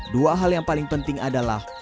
dua hal yang paling penting adalah